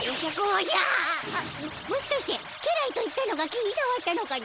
もしかして家来と言ったのが気にさわったのかの？